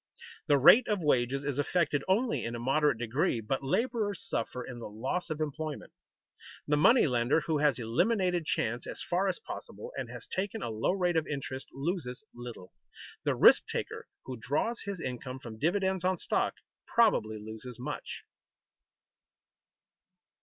The rate of wages is affected only in a moderate degree, but laborers suffer in the loss of employment. The money lender who has eliminated chance as far as possible and has taken a low rate of interest loses little; the risk taker who draws his income from dividends on stock probably loses much.